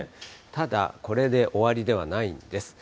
ただ、これで終わりではないんです。